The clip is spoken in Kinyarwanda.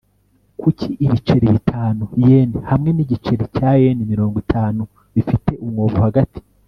kuki ibiceri bitanu yen hamwe nigiceri cya yen mirongo itanu bifite umwobo hagati